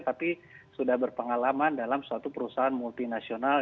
tapi sudah berpengalaman dalam suatu perusahaan multinasional